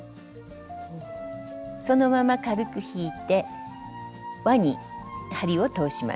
そのまま軽く引いてわに針を通します。